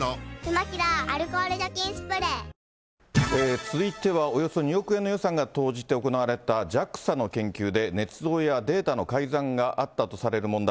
続いてはおよそ２億円の予算が投じて行われた、ＪＡＸＡの研究で、ねつ造やデータの改ざんがあったとされる問題。